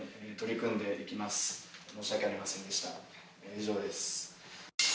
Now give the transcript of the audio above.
以上です。